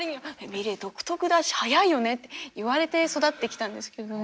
「ｍｉｌｅｔ独特だし早いよね」って言われて育ってきたんですけどね。